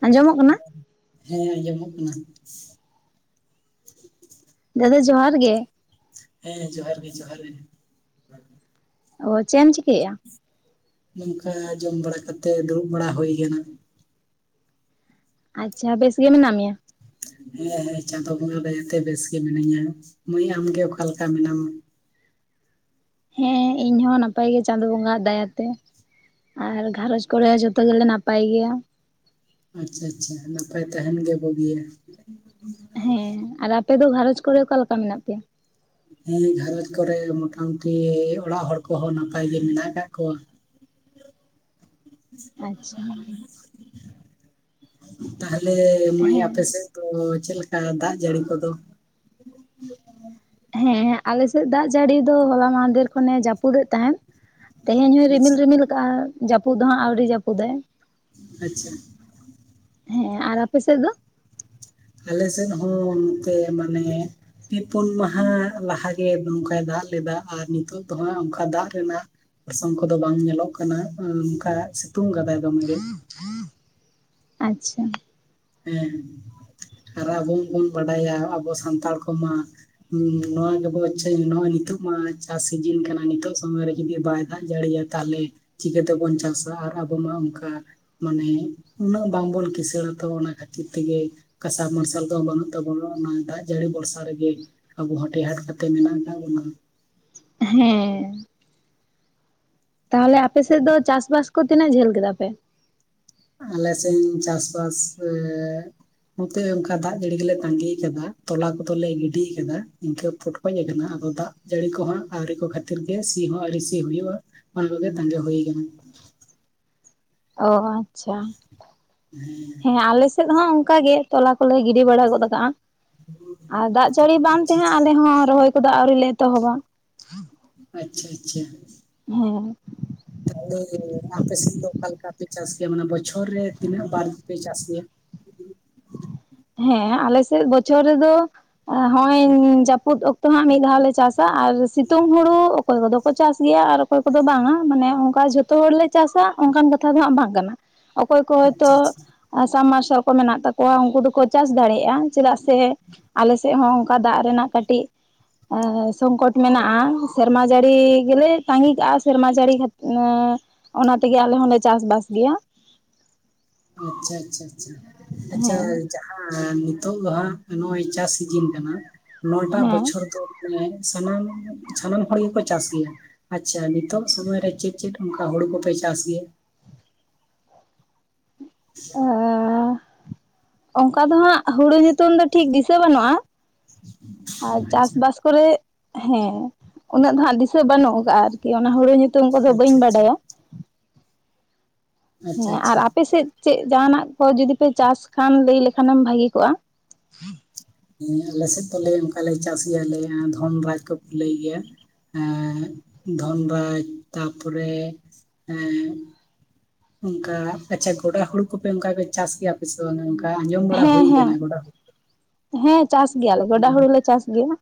ᱟᱸᱡᱚᱢᱚᱜ ᱠᱟᱱᱟ? ᱦᱮᱸ ᱟᱸᱡᱚᱢᱚᱜ ᱠᱟᱱᱟ᱾ ᱫᱟᱫᱟ ᱡᱚᱦᱟᱨ ᱜᱮ ᱾ ᱦᱮᱸ, ᱡᱚᱸᱦᱟᱨ ᱜᱮ ᱡᱚᱸᱦᱟᱨ ᱜᱮ᱾ ᱚ ᱪᱮᱜ ᱮᱢ ᱪᱤᱠᱟᱹᱭᱮᱜᱼᱟ? ᱱᱚᱝᱠᱟ ᱡᱚᱢ ᱵᱟᱲᱟ ᱠᱟᱛᱮᱫ ᱫᱩᱲᱩᱵ ᱵᱟᱲᱟ ᱦᱩᱭ ᱠᱟᱱᱟ᱾ ᱟᱪᱪᱷᱟ, ᱵᱮᱥ ᱜᱮ ᱢᱮᱱᱟᱜ ᱢᱮᱭᱟ? ᱦᱮᱸ ᱦᱮᱸ ᱪᱟᱸᱫᱚ ᱵᱚᱸᱜᱟ ᱫᱟᱭᱟ ᱛᱮ ᱵᱮᱥ ᱜᱮ ᱢᱤᱱᱟᱹᱧᱟᱹ᱾ ᱢᱟᱹᱭ ᱟᱢᱜᱮ ᱚᱠᱟ ᱞᱮᱠᱟ ᱢᱮᱱᱟᱢᱟ? ᱦᱮᱸ ᱤᱧᱦᱚᱸ ᱱᱟᱯᱟᱭ ᱜᱮ ᱪᱟᱸᱫᱚ ᱵᱚᱸᱜᱟᱭᱟ ᱫᱟᱭᱟ ᱛᱮ᱾ ᱟᱨ ᱜᱷᱟᱨᱚᱸᱡᱽ ᱠᱚᱨᱮ ᱡᱷᱚᱛᱚ ᱜᱮᱞᱮ ᱱᱟᱯᱟᱭ ᱜᱮᱭᱟ᱾ ᱟᱪᱪᱷᱟ ᱟᱪᱪᱷᱟ, ᱱᱟᱯᱟᱭ ᱛᱟᱦᱮᱸᱱ ᱜᱮ ᱵᱩᱜᱤᱭᱟ᱾ ᱦᱮᱸ ᱟᱨ ᱟᱯᱮ ᱫᱚ ᱜᱷᱟᱨᱚᱧᱪ ᱠᱚᱨᱮ ᱚᱠᱟ ᱞᱮᱠᱟ ᱢᱮᱱᱟᱜ ᱯᱮᱭᱟ? ᱦᱮᱸ ᱜᱷᱟᱨᱚᱡᱽ ᱠᱚᱨᱮ ᱢᱚᱴᱟᱢᱩᱴᱤ ᱚᱲᱟᱜ ᱦᱚᱲ ᱠᱚᱦᱚᱸ ᱱᱟᱯᱟᱭ ᱜᱮ ᱢᱮᱱᱟᱜ ᱟᱠᱟᱫ ᱠᱚᱣᱟ᱾ ᱟᱪᱪᱷᱟ [unintelligible] ᱛᱟᱦᱞᱮ ᱢᱟᱹᱭ ᱦᱮᱸ ᱟᱯᱮ ᱥᱮᱫ ᱫᱚ ᱪᱮᱫ ᱞᱮᱠᱟ ᱫᱟᱜ ᱡᱟᱹᱲᱤ ᱠᱚᱫᱚ? [inaudible] ᱦᱮᱸ ᱟᱞᱮᱥᱮᱫ ᱫᱟᱜ ᱡᱟᱹᱲᱤ ᱫᱚ ᱦᱚᱞᱟ ᱢᱟᱦᱫᱮᱨ ᱠᱷᱚᱱᱮ ᱡᱟᱹᱯᱩᱫᱮᱫ ᱛᱟᱦᱮᱸᱱ᱾ ᱛᱮᱦᱮᱧ ᱦᱚᱸ ᱟᱪᱪᱷᱟ ᱨᱤᱢᱤᱞ ᱨᱤᱢᱤᱞ ᱠᱟᱜᱼᱟ ᱡᱟᱹᱯᱩᱫ ᱫᱚ ᱦᱟᱸᱜ ᱟᱹᱣᱨᱤ ᱡᱟᱹᱯᱩᱫᱟᱭ᱾ ᱟᱪᱪᱷᱟ᱾ ᱦᱮᱸ ᱟᱨ ᱟᱯᱮ ᱥᱮᱫ ᱫᱚ? ᱟᱞᱮ ᱥᱮᱫ ᱦᱚᱸ ᱱᱚᱛᱮ ᱢᱟᱱᱮ ᱯᱮ ᱯᱩᱱ ᱢᱟᱦᱟ ᱞᱟᱦᱟ ᱜᱮ ᱱᱚᱝᱠᱟᱭ ᱫᱟᱜ ᱞᱮᱫᱟ ᱟᱨ ᱱᱤᱛᱚᱜ ᱫᱚ ᱦᱟᱸᱜ ᱚᱝᱠᱟ ᱫᱟᱜ ᱨᱮᱱᱟᱜ ᱯᱮᱲᱥᱟᱝ ᱠᱚᱫᱚ ᱵᱟᱝ ᱧᱮᱞᱚᱜ ᱠᱟᱱᱟ ᱱᱚᱝᱠᱟ ᱥᱤᱛᱩᱝ ᱠᱟᱫᱟᱭ ᱫᱚᱢᱮ ᱜᱮ᱾ ᱟᱪᱪᱷᱟ ᱦᱮᱸ ᱟᱨ ᱟᱵᱚ ᱵᱚᱱ ᱵᱟᱰᱟᱭᱟ ᱟᱵᱚ ᱥᱟᱱᱛᱟᱲ ᱠᱚᱢᱟ ᱦᱩᱸ, ᱱᱚᱣᱟ ᱜᱮᱵᱚ [unintelligible] ᱱᱚᱜᱼᱚᱭ ᱱᱤᱛᱚᱜ ᱢᱟ ᱪᱟᱥ ᱥᱤᱡᱤᱱ ᱠᱟᱱᱟ, ᱱᱤᱛᱚᱜ ᱥᱚᱢᱚᱭ ᱨᱮ ᱡᱩᱫᱤ ᱵᱟᱭ ᱫᱟᱜ ᱡᱟᱹᱲᱤᱭᱟ᱾ ᱛᱟᱦᱚᱞᱮ ᱪᱤᱠᱟᱹᱛᱮᱵᱚᱱ ᱪᱟᱥᱟ ᱟᱨ ᱟᱵᱚ ᱢᱟ ᱚᱱᱠᱟ ᱢᱟᱱᱮ ᱩᱱᱟᱹᱜ ᱵᱟᱝᱵᱚᱱ ᱠᱤᱥᱟᱹᱬ ᱛᱚ ᱚᱱᱟ ᱠᱷᱟᱹᱛᱤᱨ ᱛᱮᱜᱮ ᱠᱟᱥᱟ ᱥᱟᱵᱽᱢᱟᱨᱥᱟᱞ ᱫᱚ ᱵᱟᱹᱱᱩᱜ ᱛᱟᱵᱚᱱᱟ ᱚᱱᱟ ᱫᱟᱜ ᱡᱟᱹᱲᱤ ᱵᱚᱨᱥᱟ ᱨᱮᱜᱮ ᱾ ᱟᱵᱚ ᱦᱟᱴᱮ ᱦᱟᱴ ᱠᱟᱛᱮᱫ ᱢᱮᱱᱟᱜ ᱟᱠᱟᱫ ᱵᱚᱱᱟ ᱾ ᱦᱮᱸ ᱾ ᱛᱟᱦᱚᱞᱮ ᱟᱯᱮ ᱥᱮᱫ ᱫᱚ ᱪᱟᱥ-ᱵᱟᱥ ᱠᱚ ᱛᱤᱱᱟᱹᱜ ᱡᱷᱟᱹᱞ ᱠᱮᱫᱟ ᱯᱮ? ᱟᱞᱮ ᱥᱮᱱ ᱪᱟᱥᱵᱟᱥ [unintelligible] ᱱᱚᱛᱮ ᱚᱱᱠᱟ ᱫᱟᱜ ᱡᱟᱹᱲᱤ ᱜᱮᱞᱮ ᱛᱟᱸᱜᱤ ᱠᱟᱫᱟ ᱛᱚᱞᱟ ᱠᱚᱫᱚᱞᱮ ᱜᱤᱰᱤ ᱟᱠᱟᱫᱟ ᱤᱱᱠᱟᱹ ᱯᱷᱩᱴ ᱦᱚᱡ ᱟᱠᱟᱱᱟ ᱟᱫᱚ ᱫᱟᱜ ᱡᱟᱹᱲᱤ ᱠᱚᱦᱚᱸ ᱟᱹᱣᱨᱤ ᱠᱚ ᱠᱷᱟᱹᱛᱤᱨ ᱜᱮ ᱥᱤ ᱦᱚᱸ ᱟᱣᱨᱤ ᱥᱤ ᱦᱩᱭᱩᱜᱼᱟ ᱾ ᱚᱱᱟ ᱠᱚᱜᱮ ᱛᱟᱸᱜᱤ ᱦᱩᱭ ᱠᱟᱱᱟ ᱾ ᱚ ᱟᱪᱪᱷᱟ ᱦᱮᱸ ᱟᱞᱮ ᱥᱮᱫ ᱦᱚᱸ ᱚᱱᱠᱟ ᱜᱮ ᱛᱚᱞᱟ ᱠᱚᱞᱮ ᱜᱤᱰᱤ ᱵᱟᱲᱟ ᱜᱚᱫ ᱟᱠᱟᱜᱼᱟ ᱾ ᱟᱨ ᱫᱟᱜ ᱡᱟᱹᱲᱤ ᱵᱟᱝ ᱟᱪᱪᱷᱟ ᱛᱮᱦᱟᱸᱜ ᱟᱪᱪᱷᱟ ᱟᱞᱮ ᱦᱚᱸ ᱨᱚᱦᱚᱭ ᱠᱚᱫᱚ ᱟᱹᱣᱨᱤ ᱞᱮ ᱮᱛᱚᱦᱚᱵᱟ ᱾ ᱟᱪᱪᱷᱟ ᱟᱪᱪᱷᱟ ᱾ ᱦᱮᱸ ᱾ ᱛᱟᱦᱚᱞᱮ ᱡᱮ ᱟᱯᱮᱥᱮᱫ ᱫᱚ ᱚᱠᱟᱞᱮᱠᱟ ᱯᱮ ᱪᱟᱥ ᱜᱮᱭᱟ ᱢᱟᱱᱮ ᱵᱚᱪᱷᱚᱨ ᱨᱮ ᱛᱤᱱᱟᱹᱜ ᱵᱟᱨᱯᱮ ᱪᱟᱥ ᱜᱮᱭᱟ? ᱦᱮᱸ ᱟᱞᱮ ᱥᱮᱫ ᱵᱚᱪᱷᱚᱨ ᱨᱮᱫᱚ ᱦᱚᱸᱜᱼᱚᱭ ᱡᱟᱹᱯᱩᱫ ᱚᱠᱛᱚ ᱦᱟᱸᱜ ᱢᱤᱫ ᱫᱷᱟᱣ ᱞᱮ ᱪᱟᱥᱟ ᱟᱨ ᱥᱤᱛᱩᱝ ᱦᱩᱲᱩ ᱚᱠᱚᱭ ᱠᱚᱫᱚᱼᱼ ᱠᱚ ᱪᱟᱥ ᱜᱮᱭᱟ ᱟᱨ ᱚᱠᱚᱭ ᱠᱚᱫᱚ ᱵᱟᱝᱟ ᱢᱟᱱᱮ ᱚᱱᱠᱟ ᱡᱷᱚᱛᱚ ᱦᱚᱲᱞᱮ ᱪᱟᱥᱟ ᱚᱱᱠᱟᱱ ᱠᱟᱛᱷᱟ ᱫᱚ ᱦᱟᱸᱜ ᱵᱟᱝ ᱠᱟᱱᱟ ᱾ ᱚᱠᱚᱭ ᱠᱚ ᱦᱳᱭᱛᱚ ᱟᱪᱪᱷᱟ ᱟᱪᱪᱷᱟ ᱥᱟᱢ ᱢᱟᱨᱥᱟᱞ ᱠᱚ ᱢᱮᱱᱟᱜ ᱛᱟᱠᱚᱣᱟ ᱾ ᱠᱚᱣᱟ ᱩᱱᱠᱩ ᱫᱚᱠᱚ ᱪᱟᱥ ᱫᱟᱲᱮᱭᱟᱜᱼᱟ ᱪᱮᱫᱟᱜ ᱥᱮ ᱟᱞᱮ ᱥᱮᱫ ᱦᱚᱸ ᱚᱱᱠᱟ ᱫᱟᱜ ᱨᱮᱱᱟᱜ ᱠᱟᱹᱴᱤᱡ ᱩᱸᱻ ᱥᱚᱝᱠᱚᱴ ᱢᱮᱱᱟᱜᱼᱟ ᱥᱮᱨᱢᱟ ᱡᱟᱹᱲᱤ ᱜᱮᱞᱮ ᱛᱟᱸᱜᱤ ᱠᱟᱜᱼᱟ ᱥᱮᱨᱢᱟ ᱡᱟᱹᱲᱤ ᱩᱸᱻ ᱚᱱᱟ ᱛᱮᱜᱮ ᱟᱞᱮ ᱦᱚᱸᱞᱮ ᱪᱟᱥᱵᱟᱥ ᱜᱮᱭᱟ ᱾ ᱟᱪᱪᱷᱟ-ᱟᱪᱪᱷᱟ-ᱟᱪᱪᱷᱟ ᱦᱮᱸ ᱟᱪᱪᱷᱟ ᱦᱮᱸ ᱱᱤᱛᱚᱜ ᱫᱚ ᱦᱟᱸᱜ ᱱᱚᱜᱼᱚᱭ ᱪᱟᱥ ᱥᱤᱡᱤᱱ ᱠᱟᱱᱟ ᱱᱚᱣᱟ ᱴᱟᱜ ᱦᱮᱸ ᱵᱚᱪᱷᱚᱨ ᱫᱚ ᱢᱟᱱᱮ ᱥᱟᱱᱟᱢ, ᱥᱟᱱᱟᱢ ᱦᱚᱲ ᱜᱮᱠᱚ ᱪᱟᱥ ᱜᱮᱭᱟ ᱾ ᱟᱪᱷᱟ ᱱᱤᱛᱚᱜ ᱥᱚᱢᱚᱭ ᱨᱮ ᱪᱮᱫ ᱪᱮᱫ ᱚᱱᱠᱟ ᱦᱳᱲᱳ ᱠᱚᱯᱮ ᱪᱟᱥ ᱜᱮᱭᱟ? [unintelligible] ᱚᱱᱠᱟ ᱫᱚ ᱦᱟᱸᱜ ᱦᱳᱲᱳ ᱧᱩᱛᱩᱢ ᱫᱚ ᱴᱷᱤᱠ ᱫᱤᱥᱟᱹ ᱵᱟᱹᱱᱩᱜᱼᱟ ᱾ ᱟᱨ ᱟᱪᱪᱷᱟ ᱪᱟᱥᱵᱟᱥ ᱠᱚᱨᱮ ᱦᱮᱸ ᱩᱱᱟᱹᱜ ᱫᱚ ᱦᱟᱸᱜ ᱫᱤᱥᱟᱹ ᱵᱟᱹᱱᱩᱜ ᱟᱠᱟᱫᱼᱟ ᱟᱨᱠᱤ ᱚᱱᱟ ᱦᱳᱲᱳ ᱧᱩᱛᱩᱢ ᱠᱚᱫᱚ ᱵᱟᱹᱧ ᱟᱪᱪᱷᱟ ᱟᱪᱪᱷᱟ ᱵᱟᱰᱟᱭᱟ ᱾ ᱦᱮᱸ ᱟᱪᱪᱷᱟ ᱟᱨ ᱟᱪᱪᱷᱟ ᱟᱯᱮᱥᱮᱫ ᱪᱮᱫ ᱡᱟᱦᱟᱸᱱᱟᱜ ᱠᱚ ᱡᱚᱫᱤ ᱯᱮ ᱪᱟᱥ ᱠᱷᱟᱱ ᱞᱟᱹᱭ ᱞᱮᱠᱷᱟᱱᱮᱢ ᱵᱷᱟᱹᱜᱤ ᱠᱚᱜᱼᱟ ᱾ ᱦᱮᱸ ᱟᱞᱮ ᱥᱮᱫ ᱫᱚᱞᱮ ᱚᱱᱠᱟᱞᱮ ᱪᱟᱥ ᱜᱮᱭᱟᱞᱮ ᱫᱷᱚᱱ ᱨᱟᱡᱽ ᱠᱚᱠᱚ ᱞᱟᱹᱭ ᱜᱮᱭᱟ ᱾ ᱮᱸᱜᱻ ᱫᱷᱚᱱᱨᱟᱡᱽ ᱛᱟᱨᱯᱚᱨᱮ ᱮᱸ ᱚᱱᱠᱟ ᱟᱪᱷᱟ ᱜᱚᱰᱟ ᱦᱩᱲᱩ ᱠᱚᱯᱮ ᱚᱱᱠᱟ ᱟᱯᱮ ᱪᱮ ᱜᱚᱰᱟ ᱦᱳᱲᱳ ᱠᱚ ᱯᱮ ᱚᱱᱠᱟ ᱪᱟᱥ ᱜᱮᱭᱟ ᱯᱮᱥᱮ ᱚᱱᱮ ᱚᱱᱠᱟ ᱟᱸᱡᱚᱢ ᱵᱟᱲᱟ ᱦᱩᱭ ᱦᱮᱸ ᱟᱠᱟᱱᱟ ᱦᱮᱸ ᱜᱚᱰᱟ ᱦᱩᱲᱩ ᱦᱮᱸ ᱪᱟᱥ ᱜᱮᱭᱟᱞᱮ ᱜᱚᱰᱟ ᱦᱳᱲᱳ ᱞᱮ ᱪᱟᱥ ᱜᱮᱭᱟ ᱾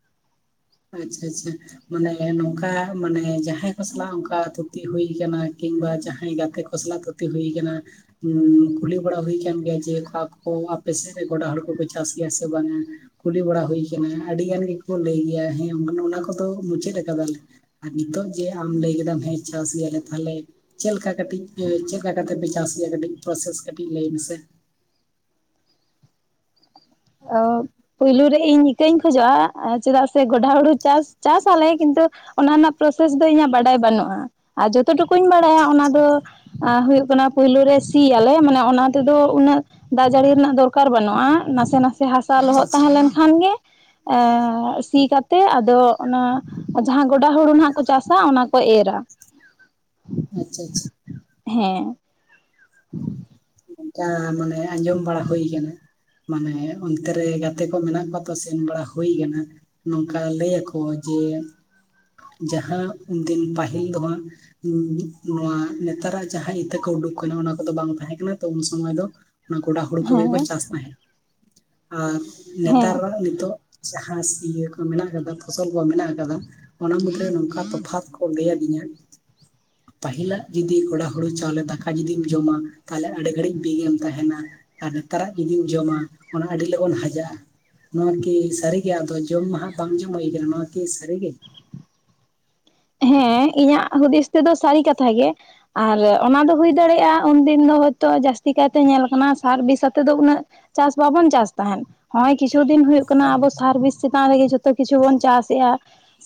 ᱟᱪᱪᱷᱟ ᱟᱪᱪᱷᱟ। ᱢᱟᱱᱮ ᱱᱚᱝᱠᱟ ᱢᱟᱱᱮ ᱡᱟᱦᱟᱸᱭ ᱠᱚ ᱥᱟᱞᱟᱜ ᱚᱱᱠᱟ ᱛᱷᱩᱛᱤ ᱦᱩᱭ ᱠᱟᱱᱟ ᱠᱤᱝᱵᱟ ᱡᱟᱦᱟᱸᱭ ᱜᱟᱛᱮ ᱠᱚ ᱥᱟᱞᱟᱜ ᱛᱷᱩ ᱛᱤ ᱦᱩᱭ ᱠᱟᱱᱟ ᱾ ᱩᱸᱜ ᱠᱩᱞᱤ ᱵᱟᱲᱟ ᱦᱩᱭ ᱟᱠᱟᱱ ᱜᱮᱭᱟ ᱡᱮ ᱚᱠᱟᱠᱚ ᱟᱯᱮ ᱥᱮᱫ ᱨᱮ ᱜᱚᱰᱟ ᱦᱳᱲᱳ ᱠᱚᱯᱮ ᱪᱟᱥ ᱜᱮᱭᱟ ᱥᱮ ᱵᱟᱝᱟ ᱾ ᱠᱩᱞᱤ ᱵᱟᱲᱟ ᱦᱩᱭ ᱠᱟᱱᱟ ᱟᱹᱰᱤ ᱜᱟᱱ ᱜᱮᱠᱚ ᱞᱟᱹᱭ ᱜᱮᱭᱟ ᱦᱮᱸ ᱚᱱᱟ ᱠᱚᱫᱚ ᱢᱩᱪᱟᱹᱫ ᱟᱠᱟᱫᱟᱞᱮ ᱾ ᱟᱨ ᱱᱤᱛᱚᱜ ᱡᱮ ᱟᱢ ᱞᱟᱹᱭ ᱠᱮᱫᱟᱢ ᱦᱮᱸ ᱪᱟᱥ ᱜᱮᱭᱟᱞᱮ ᱛᱟᱞᱦᱮ ᱪᱮᱫ ᱞᱮᱠᱟ ᱠᱟᱹᱴᱤᱡ ᱪᱮᱫᱠᱟ ᱠᱟᱛᱮ ᱯᱮ ᱪᱟᱥ ᱜᱮᱭᱟ ᱠᱟᱹᱴᱤᱡ ᱯᱨᱚᱥᱮᱥ ᱠᱟᱹᱴᱤᱡ ᱞᱟᱹᱭ ᱢᱮᱥᱮ। ᱮᱦᱚᱵ ᱯᱩᱭᱞᱩ ᱨᱮ ᱤᱧ ᱤᱠᱟᱹᱧ ᱠᱷᱚᱡᱚᱜᱼᱟ ᱪᱮᱫᱟᱜ ᱥᱮ ᱜᱚᱰᱟ ᱦᱩᱲᱩ ᱪᱟᱥ ᱪᱟᱥ ᱟᱞᱮ ᱠᱤᱱᱛᱩ ᱚᱱᱟ ᱨᱮᱱᱟᱜ ᱯᱨᱚᱥᱮᱥ ᱫᱚ ᱤᱧᱟᱜ ᱵᱟᱰᱟᱭ ᱵᱟᱹᱱᱩᱜᱼᱟ ᱟᱨ ᱡᱚᱛᱚ ᱴᱩᱠᱩᱧ ᱵᱟᱲᱟᱭᱟ ᱟᱪᱪᱷᱟ ᱚᱱᱟ ᱟᱪᱪᱷᱟ ᱫᱚ ᱟᱨ ᱦᱩᱭᱩᱜ ᱠᱟᱱᱟ ᱯᱳᱭᱞᱳ ᱨᱮ ᱥᱤᱭᱟᱞᱮ ᱢᱟᱱᱮ ᱚᱱᱟ ᱛᱮᱫᱚ ᱩᱱᱟᱹᱜ ᱫᱟᱜ ᱡᱟᱹᱲᱤ ᱨᱮᱱᱟᱜ ᱫᱚᱨᱠᱟᱨ ᱵᱟᱹᱱᱩᱜᱼᱟ ᱱᱟᱥᱮ ᱱᱟᱥᱮ ᱦᱟᱥᱟ ᱟᱪᱪᱷᱟ ᱟᱪᱪᱷᱟ ᱞᱚᱦᱚᱫ ᱛᱟᱦᱮᱸ ᱞᱮᱱᱠᱷᱟᱱ ᱜᱮ ᱮᱸᱻ ᱥᱤ ᱠᱟᱛᱮ ᱛᱮ ᱟᱫᱚ ᱚᱱᱟ ᱡᱟᱦᱟᱸ ᱜᱚᱰᱟ ᱦᱩᱲᱩ ᱱᱟᱦᱟᱜ ᱠᱚ ᱪᱟᱥᱟ, ᱚᱱᱟ ᱠᱚ ᱮᱨᱟ᱾ ᱟᱪᱪᱷᱟ ᱟᱪᱪᱷᱟ᱾ ᱦᱮᱸ᱾ ᱚᱱᱠᱟ ᱢᱟᱱᱮ ᱟᱸᱡᱚᱢ ᱵᱟᱲᱟ ᱦᱩᱭ ᱠᱟᱱᱟ᱾ ᱢᱟᱱᱮ ᱚᱱᱛᱮ ᱨᱮ ᱜᱟᱛᱮ ᱠᱚ ᱢᱮᱱᱟᱜ ᱠᱚᱣᱟ ᱛᱚ ᱥᱮᱱ ᱵᱟᱲᱟ ᱦᱩᱭ ᱟᱠᱟᱱᱟ᱾ ᱱᱚᱝᱠᱟ ᱞᱟᱹᱭ ᱟᱠᱚ ᱡᱮ ᱡᱟᱦᱟᱸ ᱩᱱᱫᱤᱱ ᱯᱟᱹᱦᱤᱞ ᱫᱚ ᱦᱟᱸᱜ ᱩᱸᱜ ᱱᱚᱣᱟ ᱱᱮᱛᱟᱨᱟᱜ ᱡᱟᱦᱟᱸ ᱤᱛᱟᱹ ᱠᱚ ᱩᱰᱩᱠ ᱠᱟᱱᱟ ᱚᱱᱟᱼᱼ ᱫᱚ ᱵᱟᱝ ᱛᱟᱦᱮᱸ ᱠᱟᱱᱟ ᱛᱚ ᱩᱱ ᱥᱚᱢᱚᱭ ᱫᱚ ᱚᱱᱟ ᱜᱚᱰᱟ ᱦᱩᱲᱩ ᱠᱚᱜᱮ ᱦᱮᱸ ᱠᱚ ᱪᱟᱥ ᱛᱟᱦᱮᱸᱫ᱾ ᱟᱨᱼᱼ ᱦᱮᱸ ᱱᱮᱛᱟᱨ ᱱᱚᱜᱼᱚᱭ ᱱᱤᱛᱚᱜ ᱡᱟᱦᱟᱸ ᱤᱭᱟᱹ ᱠᱚ ᱢᱮᱱᱟᱜ ᱠᱟᱫᱟ ᱯᱷᱚᱥᱚᱞ ᱠᱚ ᱢᱮᱱᱟᱜ ᱟᱠᱟᱫᱟ, ᱚᱱᱟ ᱢᱩᱫᱽᱨᱮ ᱱᱚᱝᱠᱟ ᱛᱚᱯᱷᱟᱛ ᱠᱚ ᱞᱟᱹᱭ ᱟᱹᱫᱤᱧᱟ ᱯᱟᱹᱤᱞᱟᱜ ᱡᱩᱫᱤ ᱠᱚᱲᱟ ᱦᱩᱲᱩ ᱪᱟᱣᱞᱮ ᱫᱟᱠᱟ ᱡᱩᱫᱤ ᱡᱚᱢᱟ, ᱛᱟᱦᱚᱞᱮ ᱟᱹᱰᱤ ᱜᱷᱟᱹᱲᱤᱡ ᱵᱤᱜᱮᱢ ᱛᱟᱦᱮᱱᱟ᱾ ᱟᱨ ᱱᱮᱛᱟᱨᱟᱜ ᱡᱩᱫᱤᱢ ᱡᱚᱢᱟ, ᱚᱱᱟ ᱟᱹᱰᱤ ᱞᱚᱜᱚᱱ ᱦᱟᱡᱟᱜᱼᱟ ᱱᱚᱣᱟᱠᱤ ᱥᱟᱹᱨᱤ? [unintelligible] ᱟᱫᱚ ᱡᱚᱢ ᱢᱟᱦᱟᱜ ᱵᱟᱝ ᱡᱚᱢ ᱦᱩᱭ ᱠᱟᱱᱟ ᱱᱚᱣᱟ ᱠᱤ ᱥᱟᱹᱨᱤᱜᱮ? ᱦᱮᱸ, ᱤᱧᱟᱹᱜ ᱦᱩᱫᱤᱥ ᱛᱮᱫᱚ ᱥᱟᱹᱨᱤ ᱠᱟᱛᱷᱟ ᱜᱮ᱾ ᱟᱨ ᱚᱱᱟ ᱫᱚ ᱦᱩᱭ ᱫᱟᱲᱮᱭᱟᱜᱼᱟ ᱩᱱᱫᱤᱱ ᱫᱚ ᱦᱭᱛᱳ ᱡᱟᱹᱥᱛᱤ ᱠᱟᱭᱛᱮ ᱧᱮᱞ ᱠᱟᱱᱟ ᱥᱟᱨ ᱵᱤᱥ ᱟᱛᱮᱫ ᱫᱚ ᱩᱱᱟᱹᱜ ᱪᱟᱥ ᱵᱟᱵᱚᱱ ᱪᱟᱥ ᱛᱟᱦᱮᱱ᱾ ᱦᱚᱜᱼᱚᱭ ᱠᱤᱪᱷᱩ ᱫᱤᱱ ᱦᱩᱭᱩᱜ ᱠᱟᱱᱟ ᱟᱵᱚ ᱥᱟᱨ-ᱵᱤᱥ ᱪᱮᱛᱟᱱ ᱨᱮᱜᱮ ᱡᱷᱚ ᱛᱚ ᱠᱤᱪᱷᱩ ᱵᱚᱱ ᱪᱟᱥ ᱮᱜᱼᱟ,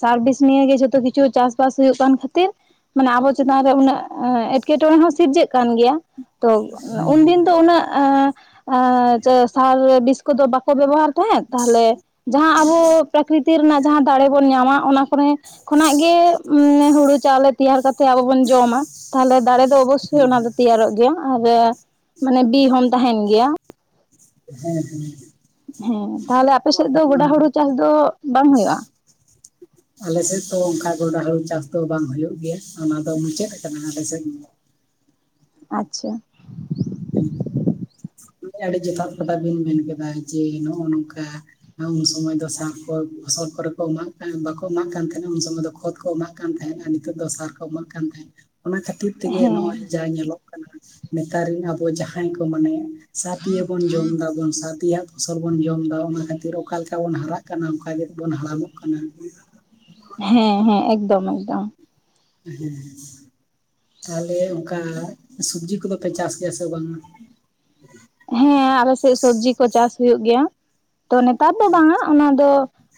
ᱥᱟᱨᱵᱷᱤᱥ ᱱᱤᱭᱮ ᱡᱚᱛᱚ ᱠᱷᱤᱪᱷᱩ ᱪᱟᱥ ᱵᱟᱥ ᱦᱩᱭᱩᱜ ᱠᱟᱱ ᱠᱷᱟᱹᱛᱤᱨ, ᱢᱟᱱᱮ ᱟᱵᱚ ᱪᱮᱛᱟᱱ ᱨᱮ ᱩᱱᱟᱹᱜ ᱮᱸᱴᱠᱮᱴᱚᱬᱮ ᱦᱚᱸ ᱥᱤᱨᱡᱟᱹᱜ ᱠᱟᱱ ᱜᱮᱭᱟ᱾ ᱛᱚ ᱦᱮᱸ ᱩᱱᱫᱤᱱ ᱫᱚ ᱩᱱᱟᱹᱜ ᱟᱸᱻ ᱟᱸᱻ ᱪᱟᱹ ᱥᱟᱨ ᱵᱤᱥ ᱠᱚᱫᱚ ᱵᱟᱠᱚ ᱵᱮᱵᱚᱦᱟᱨ ᱛᱟᱦᱮᱸᱫ᱾ ᱛᱟᱦᱚᱞᱮ ᱡᱟᱦᱟᱸ ᱟᱵᱚ ᱯᱨᱟᱠᱨᱤᱛᱤ ᱨᱮᱱᱟᱜ ᱡᱟᱦᱟᱸ ᱫᱟᱲᱮ ᱵᱚᱱ ᱧᱟᱢᱟ ᱚᱱᱟ ᱠᱚᱨᱮᱸ ᱠᱷᱚᱱᱟᱜ ᱜᱮ ᱩᱸᱻ ᱦᱩᱲᱩ ᱪᱟᱣᱞᱮ ᱛᱮᱭᱟᱨ ᱠᱟᱛᱮ ᱟᱵᱚ ᱵᱚᱱ ᱡᱚᱢᱟ᱾ ᱛᱟᱦᱚᱞᱮ ᱫᱟᱲᱮ ᱫᱚ ᱚᱵᱚᱥᱥᱳᱭ ᱚᱱᱟ ᱫᱚ ᱛᱮᱭᱟᱨᱚᱜ ᱜᱮᱭᱟ᱾ ᱟᱨ ᱢᱟᱱᱮ ᱵᱤ ᱦᱚᱢ ᱛᱟᱦᱮᱱ ᱜᱮᱭᱟ᱾ ᱦᱮᱸ ᱦᱮᱸ ᱾ ᱦᱮᱸ ᱛᱟᱦᱚᱞᱮ ᱟᱯᱮ ᱥᱮᱫ ᱫᱚ ᱜᱳᱰᱟ ᱦᱩᱲᱩ ᱪᱟᱥ ᱫᱚ ᱵᱟᱝ ᱦᱩᱭᱩᱜᱼᱟ? ᱟᱞᱮ ᱥᱮᱫ ᱫᱚ ᱚᱝᱠᱟ ᱜᱚᱸᱰᱟ ᱦᱩᱲᱩ ᱪᱟᱥ ᱫᱚ ᱵᱟᱝ ᱦᱩᱭᱩᱜ ᱜᱮᱭᱟ᱾ ᱚᱱᱟ ᱫᱚ ᱢᱩᱪᱟᱹᱫ ᱟᱠᱟᱱᱟ ᱟᱞᱮ ᱥᱮᱫ ᱾ ᱟᱪᱪᱷᱟ᱾ ᱦᱮᱸ, ᱟᱹᱰᱤ ᱡᱚᱛᱷᱟᱛ ᱠᱟᱛᱷᱟ ᱵᱤᱱ ᱢᱮᱱ ᱠᱮᱫᱟ᱾ ᱡᱮ ᱱᱚᱜᱼᱚ ᱱᱚᱝᱠᱟ ᱩᱱᱥᱚᱢᱚᱭ ᱫᱚ ᱥᱟᱨ ᱠᱚ ᱯᱷᱚᱥᱚᱞ ᱠᱚᱨᱮ ᱠᱚ ᱮᱢᱟᱜ ᱠᱟᱱ ᱵᱟᱠᱚ ᱮᱢᱟᱜ ᱠᱟᱱ ᱛᱟᱦᱮᱸᱱᱟ ᱩᱱ ᱥᱚᱢᱚᱭ ᱫᱚ ᱠᱷᱚᱛ ᱠᱚ ᱮᱢᱟᱜ ᱠᱟᱱ ᱛᱟᱦᱮᱸᱫ ᱟᱨ ᱱᱤᱛᱚᱜ ᱫᱚ ᱥᱟᱨ ᱠᱚ ᱮᱢᱟᱜ ᱠᱟᱱ ᱛᱟᱦᱮᱸᱫ, ᱚᱱᱟ ᱠᱷᱟᱹᱛᱤᱨ ᱛᱮᱜᱮ ᱱᱚᱜᱼᱚᱭ ᱦᱮᱸ ᱡᱟ ᱧᱮᱞᱚᱜ ᱠᱟᱱᱟ ᱱᱮᱛᱟᱨ ᱨᱮᱱ ᱟᱵᱚ ᱡᱟᱦᱟᱸᱭ ᱠᱚ ᱢᱟᱱᱮ ᱥᱟᱛᱤᱭᱟᱵᱚᱱ ᱡᱚᱢ ᱫᱟᱵᱚᱱ ᱥᱟᱛᱮᱭᱟᱜ ᱯᱷᱚᱥᱚᱞ ᱵᱚᱱ ᱡᱚᱢ ᱮᱫᱟ ᱚᱱᱟ ᱠᱷᱟᱹᱛᱤᱨ ᱚᱠᱟ ᱞᱮᱠᱟ ᱵᱚᱱ ᱦᱟᱨᱟᱜ ᱠᱟᱱᱟ ᱚᱱᱠᱟ ᱜᱮ ᱛᱚ ᱵᱚᱱ ᱦᱟᱲᱟᱢᱼᱚᱜ ᱠᱟᱱᱟ᱾ ᱦᱮᱸ ᱦᱮᱸ ᱮᱠᱫᱚᱢ ᱮᱠᱫᱚᱢ᱾ ᱦᱮᱸ, ᱛᱟᱦᱚᱞᱮ ᱚᱝᱠᱟ ᱥᱚᱵᱡᱤ ᱠᱚᱫᱚ ᱯᱮ ᱪᱟᱥ ᱜᱮᱭᱟ ᱥᱮ ᱵᱟᱝᱟ? ᱦᱮᱸ, ᱟᱞᱮᱥᱮᱫ ᱥᱚᱵᱡᱤ ᱠᱚ ᱪᱟᱥ ᱦᱩᱭᱩᱜ ᱜᱮᱭᱟ, ᱛᱚ ᱱᱮᱛᱟᱨ ᱫᱚ ᱵᱟᱝᱟ, ᱚᱱᱟ ᱫᱚ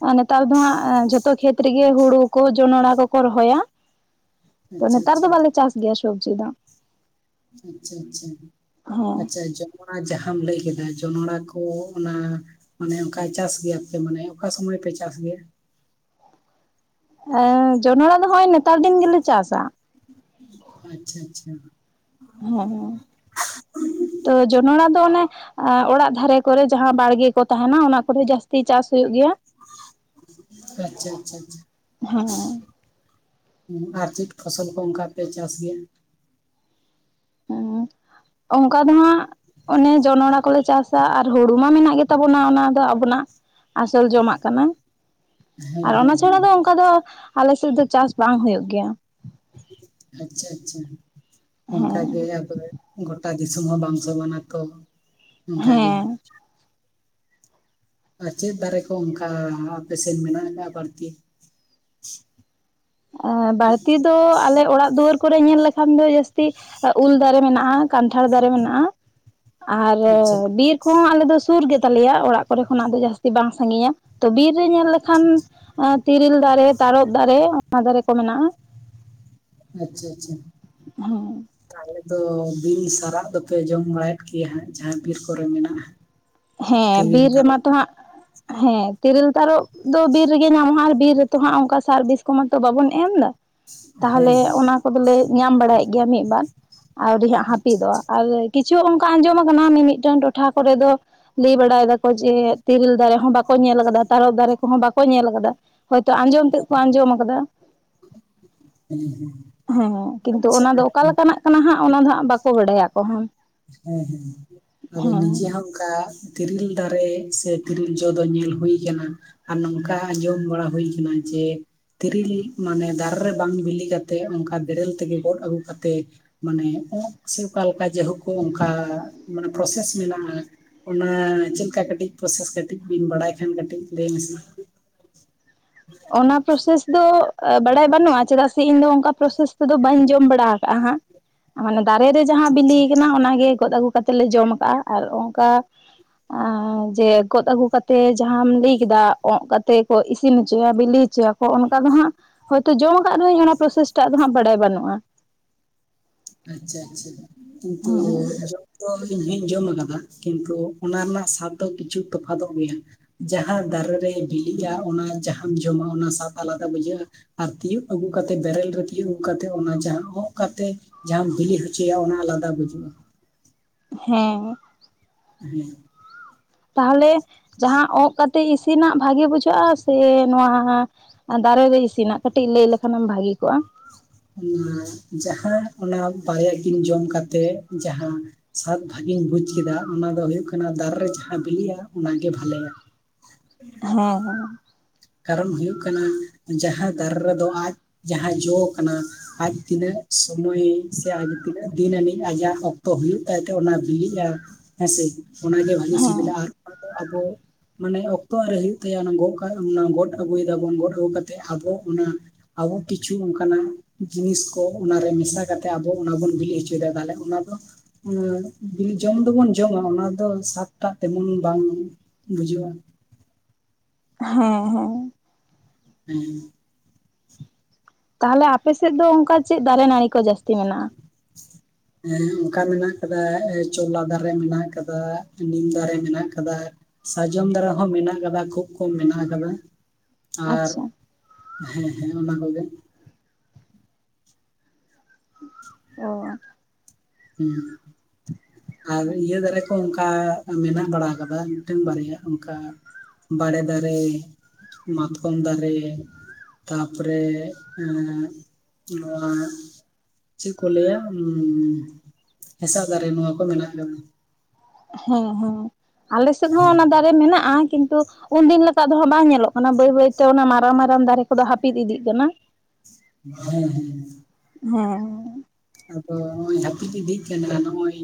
ᱟᱨ ᱱᱮᱛᱟᱨ ᱫᱚ ᱦᱟᱸᱜ ᱡᱷᱚᱛᱚ ᱠᱷᱮᱛ ᱨᱮᱜᱮ ᱦᱩᱲᱩ ᱠᱚ ᱡᱚᱱᱚᱲ ᱠᱚᱠᱚ ᱨᱚᱦᱚᱭᱟ᱾ ᱛᱚ ᱟᱪᱪᱷᱟ ᱱᱮᱛᱟᱨ ᱫᱚ ᱟᱪᱪᱷᱟ ᱵᱟᱞᱮ ᱪᱟᱥ ᱜᱮᱭᱟ ᱥᱚᱵᱡᱤ ᱫᱚ᱾ ᱟᱪᱪᱷᱟ ᱟᱪᱪᱷᱟ, ᱟᱪᱪᱷᱟ ᱡᱚ ᱱᱚᱲᱟ ᱡᱟᱸᱦᱟᱢ ᱞᱟᱹᱭ ᱠᱮᱫᱟ, ᱡᱚᱱᱚᱲᱟ ᱠᱚ ᱚᱱᱟ ᱢᱟᱱᱮ ᱚᱱᱠᱟ ᱪᱟᱥ ᱜᱮᱭᱟ ᱯᱮ ᱢᱟᱱᱮ ᱚᱠᱟ ᱥᱚᱢᱚᱭ ᱯᱮ ᱪᱟᱥ ᱜᱮᱭᱟ? ᱮ ᱡᱚᱱᱚᱲᱟ ᱫᱚ ᱦᱚᱜᱼᱚᱭ ᱱᱮᱛᱟᱨ ᱫᱤᱱ ᱜᱮᱞᱮ ᱪᱟᱥᱟ᱾ ᱟᱪᱪᱷᱟ ᱟᱪᱪᱷᱟ᱾ ᱦᱮᱸ, ᱛᱚ ᱡᱚᱱᱚᱲᱟ ᱫᱚ ᱚᱱᱮ ᱟᱸ ᱚᱲᱟᱜ ᱫᱷᱟᱨᱮ ᱠᱚᱨᱮ ᱡᱟᱦᱟᱸ ᱵᱟᱲᱜᱮ ᱠᱚ ᱛᱟᱦᱮᱱᱟ, ᱚᱱᱟ ᱠᱚᱨᱮ ᱡᱟᱹᱥᱛᱤ ᱪᱟᱥ ᱦᱩᱭᱩᱜ ᱜᱮᱭᱟ᱾ ᱟᱪᱪᱷᱟ ᱟᱪᱪᱷᱟ ᱟᱪᱪᱷᱟ ᱦᱮᱸ ᱾ ᱟᱨ ᱪᱮᱫ ᱯᱷᱚᱥᱚᱞ ᱠᱚ ᱚᱝᱠᱟ ᱯᱮ ᱪᱟᱥ ᱜᱮᱭᱟ? ᱦᱮᱸ, ᱚᱝᱠᱟ ᱫᱚ ᱦᱟᱸᱜ ᱚᱱᱮ ᱡᱚᱱᱚᱲ ᱠᱚᱞᱮ ᱪᱟᱥ ᱟ ᱟᱨ ᱦᱩᱲᱩ ᱢᱟ ᱢᱮᱱᱟᱜ ᱜᱮᱛᱟᱵᱚᱱᱟ ᱚᱱᱟ ᱫᱚ ᱟᱵᱚᱱᱟᱜ ᱟᱥᱚᱞ ᱡᱚᱢᱟᱜ ᱠᱟᱱᱟ, ᱦᱮᱸ ᱟᱨ ᱚᱱᱟ ᱦᱮᱸ ᱪᱷᱟᱲᱟ ᱫᱚ ᱦᱮᱸ ᱚᱝᱠᱟ ᱫᱚ ᱟᱞᱮᱥᱮᱫ ᱫᱚ ᱪᱟᱥ ᱵᱟᱝ ᱦᱩᱭᱩᱜ ᱜᱮᱭᱟ ᱾ ᱟᱪᱪᱷᱟ ᱟᱪᱪᱷᱟ, ᱚᱱᱠᱟᱜᱮ ᱦᱮᱸ ᱟᱫᱚᱭ ᱜᱚᱴᱟ ᱫᱤᱥᱚᱢ ᱦᱚᱸ ᱵᱟᱝ ᱥᱚᱢᱟᱱᱟ ᱛᱚ, ᱚᱱᱠᱟᱜᱮ ᱦᱮᱸ ᱟᱨ ᱪᱮᱫ ᱫᱟᱨᱮ ᱠᱚ ᱚᱝᱠᱟ ᱟᱯᱮᱥᱮᱱ ᱢᱮᱱᱟᱜ ᱟᱠᱟᱜᱼᱟ ᱵᱟᱹᱲᱛᱤ? ᱮᱸ ᱵᱟᱹᱲᱛᱤ ᱫᱚ ᱟᱞᱮ ᱚᱲᱟᱜ ᱫᱩᱣᱟᱹᱨ ᱠᱚᱨᱮ ᱧᱮᱞ ᱞᱮᱠᱷᱟᱱ ᱫᱚ ᱡᱟᱹᱥᱛᱤ ᱮᱸ ᱩᱞ ᱫᱟᱨᱮ ᱢᱮᱱᱟᱜᱼᱟ ᱠᱟᱱᱴᱷᱟᱲ ᱫᱟᱨᱮ ᱢᱮᱱᱟᱜᱼᱟ᱾ ᱟᱨ ᱟᱪᱪᱷᱟ ᱵᱤᱨ ᱠᱚᱦᱚᱸ ᱟᱞᱮ ᱫᱚ ᱥᱩᱨ ᱜᱮᱛᱟ ᱞᱮᱭᱟ ᱚᱲᱟᱜ ᱠᱚᱨᱮ ᱠᱷᱚᱱᱟᱜ ᱫᱚ ᱡᱟᱹᱥᱛᱤ ᱵᱟᱝ ᱥᱟᱺᱜᱤᱧᱟ᱾ ᱛᱚ ᱵᱤᱨ ᱨᱮ ᱧᱮᱞ ᱞᱮᱠᱷᱟᱱ ᱚᱱᱟ ᱛᱤᱨᱤᱞ ᱫᱟᱨᱮ, ᱛᱟᱨᱚᱚᱵ ᱫᱟᱨᱮ, ᱚᱱᱟ ᱫᱟᱨᱮ ᱠᱚ ᱢᱮᱱᱟᱜᱼᱟ᱾ ᱟᱪᱪᱷᱟ ᱟᱪᱪᱷᱟ᱾ ᱦᱳᱭ᱾ ᱛᱟᱦᱚᱞᱮ ᱛᱚ ᱵᱤᱱ ᱥᱟᱨᱟᱜ ᱫᱚᱯᱮ ᱡᱚᱢ ᱵᱟᱲᱟᱭᱮᱫ ᱜᱮᱭᱟ ᱦᱟᱸᱜ ᱡᱟᱦᱟᱸ ᱵᱤᱨ ᱠᱚᱨᱮ ᱢᱮᱱᱟᱜᱼᱟ᱾ ᱦᱮᱸ ᱛᱤᱨᱤᱞ ᱵᱤᱨ ᱨᱮᱢᱟ ᱛᱟᱨᱚᱵ ᱛᱚ ᱦᱟᱸᱜ, ᱦᱮᱸ ᱛᱤᱨᱤᱞ ᱛᱟᱨᱚᱵ ᱫᱚ ᱵᱤᱨ ᱨᱮᱜᱮ ᱧᱟᱢᱚᱜᱼᱟ ᱟᱨ ᱵᱤᱨ ᱛᱚ ᱦᱟᱸᱜ ᱚᱱᱠᱟ ᱥᱟᱨ ᱵᱤᱥ ᱠᱚᱢᱟ ᱛᱚ ᱵᱟᱵᱚᱱ ᱮᱢ ᱫᱟ, ᱦᱮᱸ ᱛᱟᱦᱚᱞᱮ ᱦᱮᱸ ᱚᱱᱟ ᱠᱚᱫᱚ ᱞᱮ ᱧᱟᱢ ᱵᱟᱲᱟᱭᱮᱫ ᱜᱮᱭᱟ ᱢᱤᱫ ᱵᱟᱨ, ᱟᱹᱣᱨᱤ ᱦᱟᱸᱜ ᱟᱪᱪᱷᱟ ᱦᱟᱹᱯᱤᱫᱚᱜᱼᱟ, ᱟᱪᱪᱷᱟ ᱟᱨ ᱠᱤᱪᱷᱩ ᱚᱱᱠᱟ ᱟᱸᱡᱚᱢ ᱟᱠᱟᱱᱟ ᱢᱤ ᱢᱤᱫᱴᱟᱝ ᱴᱚᱴᱷᱟ ᱠᱚᱨᱮ ᱫᱚ ᱞᱟᱹᱭ ᱵᱟᱲᱟᱭ ᱫᱟ ᱠᱚ ᱡᱮ ᱛᱤᱨᱤᱞ ᱫᱟᱨᱮ ᱦᱚᱸ ᱵᱟᱠᱚ ᱧᱮᱞ ᱟᱠᱟᱫᱟ, ᱛᱟᱨᱚᱯ ᱫᱟᱨᱮ ᱠᱚᱦᱚᱸ ᱵᱟᱠᱚ ᱧᱮᱞ ᱟᱠᱟᱫᱟ᱾ ᱦᱳᱭᱛᱳ ᱟᱸᱡᱚᱢ ᱛᱮᱫ ᱠᱚ ᱟᱸᱡᱚᱢ ᱟᱠᱟᱫᱟ, ᱦᱮᱸ, ᱠᱤᱱᱛᱩ ᱟᱪᱪᱷᱟ ᱚᱱᱟ ᱫᱚ ᱚᱠᱟ ᱞᱮᱠᱟᱱᱟᱜ ᱠᱟᱱᱟ ᱦᱟᱸᱜ ᱚᱱᱟ ᱫᱚ ᱦᱟᱸᱜ ᱵᱟᱠᱚ ᱵᱟᱰᱟᱭᱟ ᱟᱠᱚ ᱦᱚᱸ᱾ ᱦᱮᱸ ᱦᱮᱸ, ᱟᱫᱚ ᱦᱮᱸ ᱱᱤᱡᱮ ᱦᱚᱸ ᱠᱟ ᱛᱤᱨᱤᱞ ᱫᱟᱨᱮ ᱥᱮ ᱛᱤᱨᱤᱞ ᱡᱚ ᱫᱚ ᱧᱮᱞ ᱦᱩᱭ ᱠᱟᱱᱟ᱾ ᱟᱨ ᱱᱚᱝᱠᱟ ᱟᱸᱡᱚᱢ ᱵᱟᱲᱟ ᱦᱩᱭ ᱠᱟᱱᱟ ᱡᱮ ᱛᱤᱨᱤᱞ ᱢᱟᱱᱮ ᱫᱟᱨᱮ ᱨᱮ ᱵᱟᱝ ᱵᱤᱞᱤ ᱠᱟᱛᱮ, ᱚᱱᱠᱟ ᱵᱮᱨᱮᱞ ᱛᱮᱜᱮ ᱜᱚᱫ ᱟᱹᱜᱩ ᱠᱟᱛᱮ ᱢᱟᱱᱮ ᱚᱸᱜ ᱥᱮ ᱚᱠᱟᱮᱠᱟ ᱡᱟᱭᱦᱳᱠ ᱠᱚ ᱚᱱᱠᱟ ᱢᱟᱱᱮ ᱯᱨᱚᱥᱮᱥ ᱢᱮᱱᱟᱜᱼᱟ᱾ ᱚᱱᱟ ᱪᱮᱫᱞᱮᱠᱟ ᱠᱟᱹᱴᱤᱡ ᱯᱨᱚᱥᱮᱥ ᱠᱟᱹᱴᱤᱡ ᱵᱤᱱ ᱵᱟᱰᱟᱭ ᱠᱷᱟᱱ ᱠᱟᱹᱴᱤᱡ ᱞᱟᱹᱭ ᱢᱮᱥᱮ ᱢᱟ᱾ ᱚᱱᱟ ᱯᱨᱳᱥᱮᱥ ᱫᱚ ᱵᱟᱲᱟᱭ ᱵᱟᱹᱱᱩᱜᱼᱟ, ᱪᱮᱫᱟᱜ ᱥᱮ ᱤᱧ ᱫᱚ ᱚᱱᱠᱟ ᱯᱨᱳᱥᱮᱥ ᱛᱮᱫᱚ ᱵᱟᱹᱧ ᱡᱚᱢ ᱵᱟᱲᱟ ᱠᱟᱜ-ᱟ ᱦᱟᱸᱜ᱾ ᱢᱟᱱᱮ ᱫᱟᱨᱮ ᱨᱮ ᱡᱟᱦᱟᱸ ᱵᱤᱞᱤ ᱠᱟᱱᱟ ᱚᱱᱟ ᱜᱮ ᱜᱚᱫ ᱟᱹᱜᱩ ᱠᱟᱛᱮ ᱞᱮ ᱡᱚᱢ ᱠᱟᱜᱼᱟ ᱟᱨ ᱚᱱᱠᱟ ᱟᱸ ᱡᱮ ᱜᱚᱫ ᱟᱹᱜᱩ ᱠᱟᱛᱮ ᱡᱟᱦᱟᱸᱢ ᱞᱟᱹᱭ ᱠᱮᱫᱟ ᱚᱸᱜ ᱠᱟᱛᱮ ᱠᱚ ᱤᱥᱤᱱ ᱪᱚᱭᱟ ᱵᱤᱞᱤ ᱦᱚᱪᱚᱭᱟᱠᱚ, ᱚᱱᱠᱟ ᱫᱚ ᱦᱟᱸᱜ ᱦᱚᱭᱛᱳ ᱡᱚᱢ ᱟᱠᱟᱫ ᱨᱮᱦᱚᱸᱧ ᱚᱱᱟ ᱯᱨᱳᱥᱮᱥ ᱴᱟᱜ ᱫᱚ ᱦᱟᱸᱜ ᱵᱟᱰᱟᱭ ᱵᱟᱹᱱᱩᱜᱼᱟ᱾ ᱟᱪᱪᱷᱟ ᱟᱪᱪᱷᱟ, ᱠᱤᱱᱛᱩ ᱦᱮᱸ ᱡᱚᱢ ᱫᱚ ᱤᱧᱦᱩᱧ ᱡᱚᱢ ᱟᱠᱟᱫᱟ, ᱠᱤᱱᱛᱩ ᱚᱱᱟ ᱨᱮᱱᱟᱜ ᱥᱟᱫ ᱫᱚ ᱠᱤᱪᱷᱩ ᱛᱚᱯᱷᱟᱛᱚᱜ ᱜᱮᱭᱟ᱾ ᱡᱟᱦᱟᱸ ᱫᱟᱨᱮ ᱨᱮ ᱵᱤᱞᱤᱜᱼᱟ ᱚᱱᱟ ᱡᱟᱦᱟᱸᱢ ᱡᱚᱢᱟ ᱚᱱᱟ ᱥᱟᱫ ᱟᱞᱟᱫᱟ ᱵᱩᱡᱷᱟᱹᱜᱼᱟ᱾ ᱟᱨ ᱛᱤᱭᱳᱜ ᱟᱹᱜᱩ ᱠᱟᱛᱮ ᱵᱮᱨᱮᱞ ᱨᱮ ᱛᱤᱭᱳᱜ ᱟᱹᱜᱩ ᱠᱟᱛᱮᱫ ᱚᱱᱟ ᱡᱟᱦᱟᱸ ᱚᱸᱜ ᱠᱟᱛᱮ ᱡᱟᱦᱟᱸᱢ ᱵᱤᱞᱤ ᱦᱚᱪᱚᱭᱟ ᱚᱱᱟ ᱟᱞᱟᱫᱟ ᱵᱩᱡᱩᱜᱼᱟ᱾ ᱦᱮᱸ᱾ ᱦᱮᱸ᱾ ᱛᱟᱦᱚᱞᱮ ᱡᱟᱦᱟᱸ ᱚᱸᱜ ᱠᱟᱛᱮ ᱤᱥᱤᱱᱟᱜ ᱵᱷᱟᱜᱮ ᱵᱩᱡᱷᱟᱹᱜᱼᱟ ᱥᱮ ᱱᱚᱣᱟ ᱫᱟᱨᱮ ᱨᱮ ᱤᱥᱤᱱᱟᱜ, ᱠᱟᱹᱴᱤᱡ ᱞᱟᱹᱭ ᱞᱮᱠᱷᱟᱱᱮᱢ ᱵᱷᱟᱜᱮ ᱠᱚᱜᱼᱟ᱾ ᱚᱱᱟ ᱡᱟᱦᱟᱸ ᱚᱱᱟ ᱵᱟᱨᱭᱟ ᱠᱤᱱ ᱡᱚᱢ ᱠᱟᱛᱮᱫ ᱡᱟᱦᱟᱸ, ᱥᱟᱫ ᱵᱷᱟᱹᱜᱤᱧ ᱵᱩᱡ ᱠᱮᱫᱟ ᱚᱱᱟ ᱫᱚ ᱦᱩᱭᱩᱜ ᱠᱟᱱᱟ ᱫᱟᱨᱮ ᱨᱮ ᱡᱟᱦᱟᱸ ᱵᱤᱞᱤᱜᱼᱟ ᱚᱱᱟ ᱜᱮ ᱵᱷᱟᱞᱮᱭᱟ᱾ ᱦᱮᱸ ᱦᱮᱸ᱾ ᱠᱟᱨᱚᱱ ᱦᱩᱭᱩᱜ ᱠᱟᱱᱟ ᱡᱟᱦᱟᱸ ᱫᱟᱨᱮ ᱨᱮᱫᱚ ᱟᱡ ᱡᱟᱦᱟᱸ ᱡᱚ ᱠᱟᱱᱟ ᱟᱡ ᱛᱤᱱᱟᱹᱜ ᱥᱚᱢᱚᱭ ᱥᱮ ᱟᱡ ᱛᱤᱱᱟᱹᱜ ᱫᱤᱱ ᱟᱹᱱᱤᱡ ᱟᱡᱟᱜ ᱚᱠᱛᱚ ᱦᱩᱭᱩᱜ ᱛᱟᱭᱛᱮ ᱚᱱᱟ ᱵᱤᱞᱤᱜᱼᱟ, ᱦᱮᱸ ᱥᱮ? ᱚᱱᱟ ᱜᱮ ᱵᱷᱟᱞᱤ ᱦᱮᱸ ᱥᱤᱵᱤᱞᱟ ᱟᱨ ᱟᱫᱚ ᱟᱵᱚ ᱢᱟᱱᱮ ᱚᱠᱛᱚ ᱟᱹᱣᱨᱤ ᱦᱩᱭᱩᱜ ᱛᱟᱭᱟ ᱚᱱᱟ ᱜᱚᱜ ᱠᱟᱜ ᱚᱱᱟ ᱜᱚᱫ ᱟᱹᱜᱩᱭᱮᱫᱟᱵᱚᱱ ᱜᱚᱫ ᱟᱹᱜᱩ ᱠᱟᱛᱮᱫ ᱟᱵᱚ ᱚᱱᱟ, ᱟᱵᱚ ᱠᱤᱪᱷᱩ ᱚᱱᱠᱟᱱᱟᱜ ᱡᱤᱱᱤᱥ ᱠᱚ ᱚᱱᱟ ᱨᱮ ᱢᱮᱥᱟ ᱠᱟᱛᱮ ᱟᱵᱚ ᱚᱱᱟ ᱵᱚᱱ ᱵᱤᱞᱤ ᱦᱚᱪᱚᱭᱮᱫᱟ, ᱛᱟᱦᱞᱮ ᱚᱱᱟ ᱫᱚ ᱢᱟᱱᱮ ᱵᱤᱞᱤ ᱡᱚᱢ ᱫᱚᱵᱚᱱ ᱡᱚᱢᱟ ᱚᱱᱟ ᱫᱚ ᱥᱟᱫ ᱴᱟᱜ ᱛᱮᱢᱚᱱ ᱵᱟᱝ ᱵᱩᱡᱩᱜ-ᱟ᱾ ᱦᱮᱸ ᱦᱮᱸ᱾ ᱦᱮᱸ᱾ ᱛᱟᱦᱚᱞᱮ ᱟᱯᱮᱥᱮᱫ ᱫᱚ ᱚᱱᱠᱟ ᱪᱮᱫ ᱫᱟᱨᱮ ᱱᱟᱹᱲᱤ ᱠᱚ ᱡᱟᱹᱟᱥᱛᱤ ᱢᱮᱱᱟᱜᱼᱟ? ᱮᱸ ᱚᱱᱠᱟ ᱢᱮᱱᱟᱜ ᱟᱠᱟᱫᱟ ᱪᱚᱞᱞᱟ ᱫᱟᱨᱮ ᱢᱮᱱᱟᱜ ᱟᱠᱟᱫᱟ ᱱᱤᱢ ᱫᱟᱨᱮ ᱢᱮᱱᱟᱜ ᱠᱟᱫᱟ ᱾ ᱥᱟᱨᱡᱚᱢ ᱫᱟᱨᱟ ᱦᱚᱸ ᱢᱮᱱᱟᱜ ᱠᱟᱫᱟ ᱠᱷᱩᱵ ᱠᱚᱢ ᱢᱮᱱᱟᱜ ᱠᱟᱫᱟ ᱾ ᱟᱨ ᱟᱪᱪᱷᱟ ᱦᱮᱸ ᱦᱮᱸ ᱚᱱᱟ ᱠᱚᱜᱮ ᱾ ᱚ ᱾ ᱦᱩᱸ ᱟᱨ ᱤᱭᱟᱹ ᱫᱟᱨᱮ ᱠᱚ ᱚᱱᱠᱟ ᱢᱮᱱᱟᱜ ᱵᱟᱲᱟ ᱟᱠᱟᱫᱟ ᱢᱤᱫᱴᱟᱝ ᱵᱟᱨᱭᱟ ᱚᱱᱠᱟ ᱵᱟᱲᱮ ᱫᱟᱨᱮ ᱢᱟᱛᱠᱚᱢ ᱫᱟᱨᱮ, ᱛᱟᱯᱚᱨᱮ ᱮᱸ ᱱᱚᱣᱟ, ᱪᱮᱫ ᱠᱚ ᱞᱟᱹᱭᱟ ᱩᱸ, ᱦᱮᱸᱥᱟᱜ ᱫᱟᱨᱮ ᱱᱚᱣᱟ ᱠᱚ ᱢᱮᱱᱟᱜ ᱠᱟᱫᱟ ᱾ ᱦᱮᱸ ᱦᱮᱸ ᱟᱞᱮ ᱥᱮᱫ ᱦᱚᱸ ᱦᱮᱸ ᱚᱱᱟ ᱫᱟᱨᱮ ᱢᱮᱱᱟᱜᱼᱟ ᱠᱤᱱᱛᱩ ᱩᱱᱫᱤᱱ ᱞᱮᱠᱟ ᱫᱚ ᱦᱟᱸᱜ ᱵᱟᱝ ᱧᱮᱞᱚᱜ ᱠᱟᱱᱟ ᱵᱟᱹᱭ ᱵᱟᱹᱭᱛᱮ ᱚᱱᱟ ᱢᱟᱨᱟᱝ ᱢᱟᱨᱟᱝ ᱫᱟᱨᱮ ᱠᱚᱫᱚ ᱦᱟᱹᱯᱤᱫ ᱤᱫᱤᱜ ᱠᱟᱱᱟ᱾ ᱦᱮᱸ ᱦᱮᱸ ᱾ ᱦᱮᱸ ᱾ ᱟᱫᱚ ᱱᱚᱜ ᱚᱭ ᱦᱟᱹᱯᱤᱫ ᱤᱫᱤᱜ ᱠᱟᱱᱟ ᱱᱚᱜᱼᱚᱭ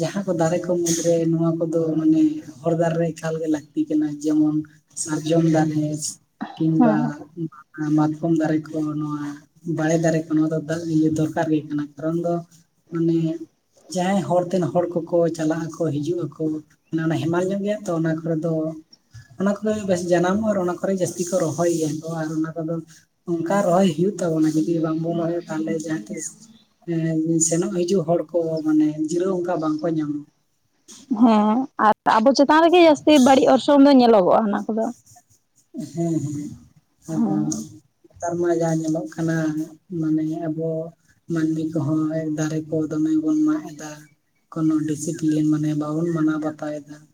ᱡᱟᱦᱟᱸ ᱠᱚ ᱫᱟᱨᱮ ᱠᱚ ᱢᱩᱫᱽᱨᱮ ᱱᱚᱣᱟ ᱠᱚᱫᱚ ᱢᱟᱱᱮ ᱦᱚᱨ ᱫᱷᱟᱨᱮ ᱨᱮ ᱮᱠᱟᱞᱜᱮ ᱞᱟᱹᱠᱛᱤ ᱠᱟᱱᱟ ᱡᱮᱢᱚᱱ ᱥᱟᱨᱡᱚᱢ ᱫᱟᱨᱮ ᱠᱤᱝᱵᱟ ᱦᱮᱸ ᱢᱟᱛᱠᱚᱢ ᱫᱟᱨᱮ ᱠᱚ ᱱᱚᱣᱟ ᱵᱟᱲᱮ ᱫᱟᱨᱮ ᱠᱚ ᱱᱚᱣᱟ ᱫᱚ ᱫᱚᱨᱠᱟᱨ ᱜᱮ ᱠᱟᱱᱟ ᱾ ᱠᱟᱨᱚᱱ ᱫᱚ ᱢᱟᱱᱮ ᱡᱟᱦᱟᱸᱭ ᱦᱚᱨᱛᱮᱱ ᱦᱚᱲ ᱠᱚᱠᱚ ᱪᱟᱞᱟᱜ ᱟᱠᱚ ᱦᱤᱡᱩᱜ ᱟᱠᱚ ᱚᱱᱟ ᱦᱮᱢᱟᱞ ᱧᱚᱜ ᱜᱮᱭᱟ ᱛᱚ ᱚᱱᱟ ᱠᱚᱨᱮ ᱫᱚ ᱚᱱᱟ ᱠᱚᱫᱚ ᱵᱮᱥ ᱡᱟᱱᱟᱢᱚᱜ ᱟᱨ ᱚᱱᱟ ᱠᱚᱨᱮ ᱡᱟᱹᱥᱛᱤ ᱠᱚ ᱨᱚᱦᱚᱭ ᱜᱮᱭᱟ ᱠᱚ ᱟᱨ ᱚᱱᱟ ᱠᱚᱫᱚ ᱚᱱᱠᱟ ᱨᱚᱦᱚᱭ ᱦᱩᱭᱩᱜᱭ ᱛᱟᱵᱚᱱᱟ ᱡᱩᱫᱤ ᱵᱟᱝᱵᱚᱱ ᱨᱚᱦᱚᱭ ᱛᱟᱦᱚᱞᱮ ᱡᱟᱦᱟᱸ ᱛᱤᱥ ᱮᱸ ᱥᱮᱱᱚᱜ ᱦᱤᱡᱩᱜ ᱦᱚᱲ ᱠᱚ ᱢᱟᱱᱮ ᱡᱤᱨᱟᱹᱣ ᱚᱱᱠᱟ ᱵᱟᱝᱠᱚ ᱧᱟᱢᱟ ᱾ ᱦᱮᱸ ᱟᱨ ᱟᱵᱚ ᱪᱮᱛᱟᱱ ᱨᱮᱜᱮ ᱡᱟᱹᱥᱛᱤ ᱵᱟᱹᱲᱤᱡ ᱚᱨᱥᱚᱝ ᱫᱚ ᱧᱮᱞᱚᱜᱚᱜᱼᱟ ᱚᱱᱟ ᱠᱚᱫᱚ ᱾ ᱦᱮᱸ ᱦᱮᱸ ᱟᱫᱚ ᱦᱮᱸ ᱱᱮᱛᱟᱨ ᱢᱟ ᱡᱟ ᱧᱮᱞᱚᱜ ᱠᱟᱱᱟ ᱢᱟᱱᱮ ᱟᱵᱚ ᱢᱟᱹᱱᱢᱤ ᱠᱚᱦᱚᱸ ᱦᱚᱸᱜᱼᱚᱭ ᱫᱟᱨᱮ ᱠᱚ ᱫᱚᱢᱮ ᱵᱚᱱ ᱢᱟᱜ ᱮᱫᱟ᱾ ᱠᱳᱱᱚ ᱰᱤᱥᱤᱯᱞᱤᱱ ᱢᱟᱱᱮ ᱵᱟᱵᱚᱱ ᱢᱟᱱᱟᱣ ᱵᱟᱛᱟᱣ ᱮᱫᱟ ᱾